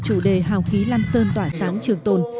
chủ đề hào khí lam sơn tỏa sáng trường tồn